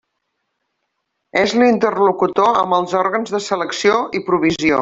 És l'interlocutor amb els òrgans de selecció i provisió.